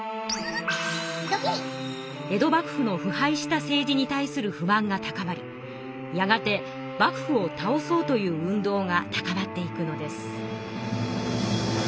江戸幕府のふ敗した政治に対する不満が高まりやがて幕府をたおそうという運動が高まっていくのです。